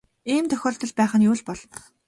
Ийм тохиолдол байх нь юу л бол.